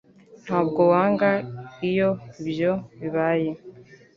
Ntabwo wanga iyo ibyo bibaye